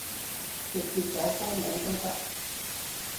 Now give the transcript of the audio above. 直接講歌名都得